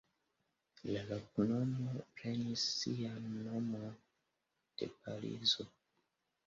La loknomo prenis sian nomon de Parizo.